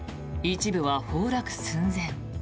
一部は崩落寸前。